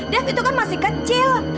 dev itu kan masih kecil